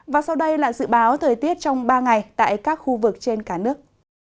và sau đây là dự báo thời tiết trong ba ngày tại các khu vực trên cả nước